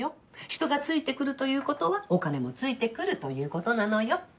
人がついてくるということはお金もついてくるということなのよ。